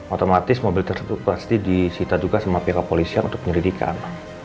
otomatis mobil tersebut pasti disita juga sama pihak polis yang untuk menyelidikan